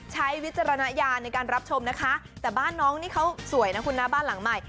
วิจารณญาณในการรับชมนะคะแต่บ้านน้องนี่เขาสวยนะคุณนะบ้านหลังใหม่